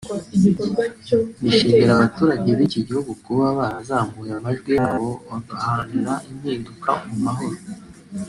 rishimira abaturage b’iki gihugu kuba barazamuye amajwi yabo bagaharanira impinduka mu mahoro